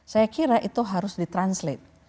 saya kira itu harus di translate